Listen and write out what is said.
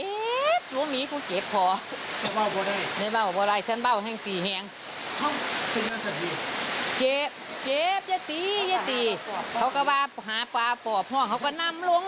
เออทั้งหมดว่ามีมีศาสนุนตีอะพริกคุมพอติไปหาเห็นยัง